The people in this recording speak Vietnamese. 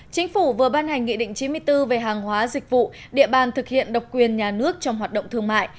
chính phủ vừa ban hành nghị định chín mươi bốn về hàng hóa dịch vụ địa bàn thực hiện độc quyền nhà nước trong hoạt động thương mại